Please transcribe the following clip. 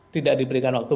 tidak diberikan waktu